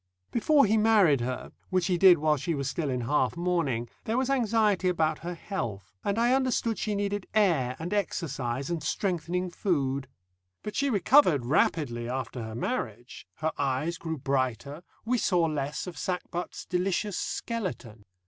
Before he married her which he did while she was still in half mourning there was anxiety about her health, and I understood she needed air and exercise and strengthening food. But she recovered rapidly after her marriage, her eyes grew brighter, we saw less of Sackbut's "delicious skeleton."